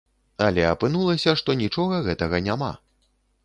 Але апынулася, што нічога гэтага няма.